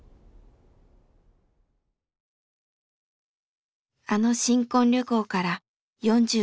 あの新婚旅行から４５年。